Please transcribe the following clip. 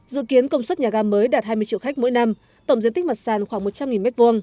dự kiến công suất nhà ga mới đạt hai mươi triệu khách mỗi năm tổng diện tích mặt sàn khoảng một trăm linh m hai